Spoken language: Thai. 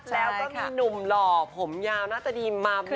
แล้วก็มีหนุ่มหล่อผมยาวหน้าตะดีมาแนะนำด้วย